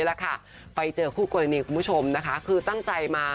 แล้วไปเจอคู่กวรณีคุณผู้ชม